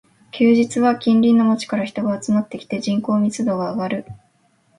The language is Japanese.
休日は近隣の街から人が集まってきて、人口密度が上がる